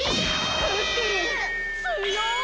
クックルンつよい！